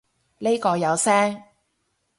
呢個有聲